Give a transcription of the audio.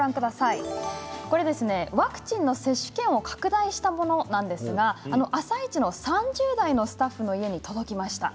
ワクチンの接種券を拡大したものなんですが「あさイチ」の３０代のスタッフの家に届きました。